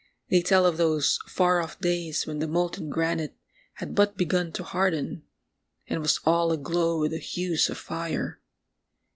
They tell of those far off days when the molten granite had but begun to harden, and was all aglow with the hues of fire.